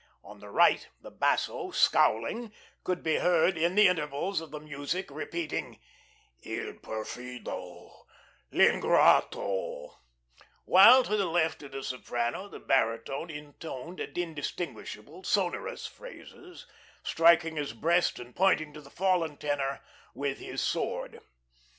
On the right, the basso, scowling, could be heard in the intervals of the music repeating "Il perfido, l'ingrato" while to the left of the soprano, the baritone intoned indistinguishable, sonorous phrases, striking his breast and pointing to the fallen tenor with his sword.